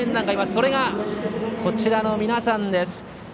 それが、こちらの皆さんです。